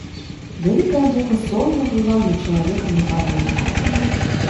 Вялікая муха сонна гула над чалавекам на парозе.